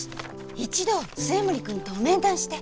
一度末森君と面談して。